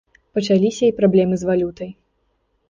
Пачаліся і праблемы з валютай.